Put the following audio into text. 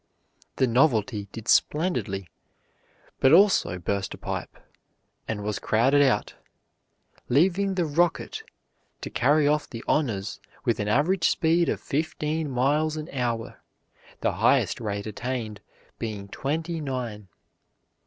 The "Novelty" did splendidly, but also burst a pipe, and was crowded out, leaving the "Rocket" to carry off the honors with an average speed of fifteen miles an hour, the highest rate attained being twenty nine.